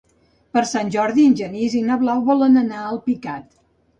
Per Sant Jordi en Genís i na Blau volen anar a Alpicat.